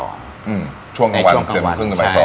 ในช่วงกลางวัน